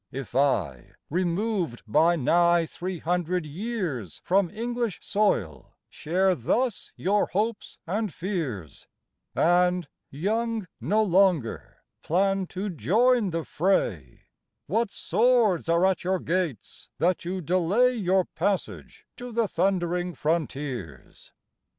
If I, removed by nigh three hundred years From English soil, share thus your hopes and fears, And, young no longer, plan to join the fray, What swords are at your gates, that you delay Your passage to the thundering frontiers?